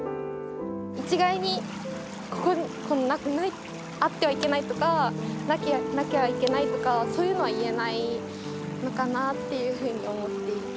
一概にあってはいけないとか、なきゃいけないとか、そういうのは言えないのかなというふうに思っていて。